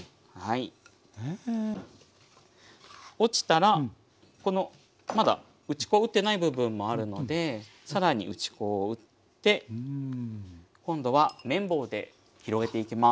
落ちたらこのまだ打ち粉を打ってない部分もあるので更に打ち粉を打って今度は麺棒で広げていきます。